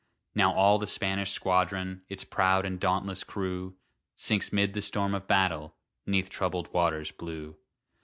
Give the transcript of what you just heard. Now all the Spanish squadron, Its proud and dauntless crew, Sinks 'mid the storm of battle, 'Neath troubled waters blue.